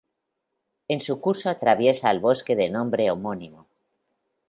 En su curso atraviesa el bosque de nombre homónimo.